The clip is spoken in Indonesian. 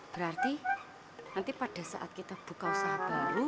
berarti nanti pada saat kita buka usaha baru